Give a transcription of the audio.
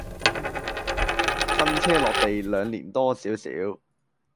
新車落地兩年多少少